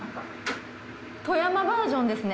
富山バージョンですね。